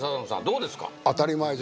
どうですか？